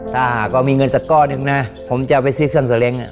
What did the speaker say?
ถ้าหากว่ามีเงินสักก้อนหนึ่งนะผมจะเอาไปซื้อเครื่องสเล็ง